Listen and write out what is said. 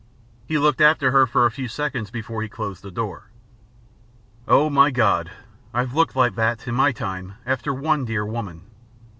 He looked after her for a few seconds before he closed the door. Oh, my God! I've looked like that, in my time, after one dear woman....